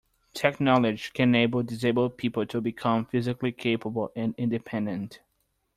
Technology can enable disabled people to become physically capable and independent.